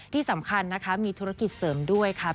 ที่สำคัญนะคะมีธุรกิจเสริมด้วยค่ะ